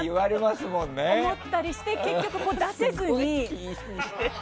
そう思ったりして結局、出せずに。